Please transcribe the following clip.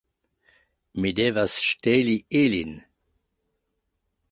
Mi devas ŝteli ilin